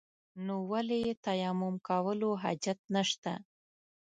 نو ولې يې تيمم کولو حاجت نشته.